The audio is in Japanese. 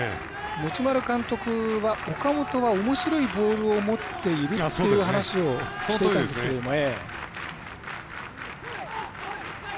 持丸監督は岡本はおもしろいボールを持っているっていう話をしてたんですけどね。